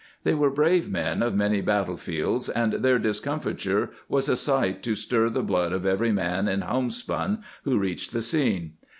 ^ They were brave men of many battle fields, and their discomfiture was a sight to stir the blood of every man in homespun who reached the scene.